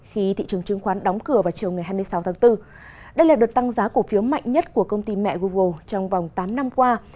khi thị trường chứng khoán đóng cửa vào chiều ngày hai mươi sáu tháng bốn đây là đợt tăng giá cổ phiếu mạnh nhất của công ty mẹ google trong vòng tám năm qua